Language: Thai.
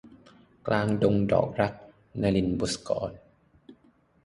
กลางดงดอกรัก - นลิน บุษกร